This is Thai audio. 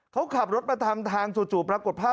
เขาขับรถมาทำทางจู่ปรากฏภาพ